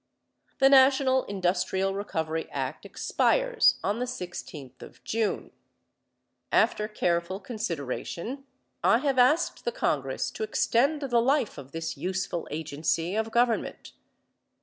The National Industrial Recovery Act expires on the sixteenth of June. After careful consideration, I have asked the Congress to extend the life of this useful agency of government.